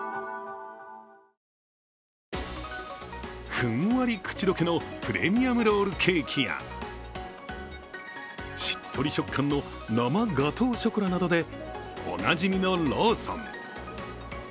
ふんわり口溶けのプレミアムロールケーキやしっとり食感の生ガトーショコラなどでおなじみのローソン。